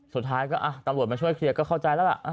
สุดท้ายก็ตำรวจมาช่วยเคลียร์ก็เข้าใจแล้วล่ะ